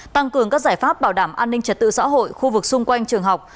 tăng cường các giải pháp bảo đảm an ninh trật tự xã hội khu vực xung quanh trường học